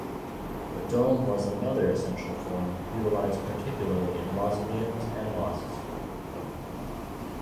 The dome was another essential form utilised particularly in mausoleums and mosques.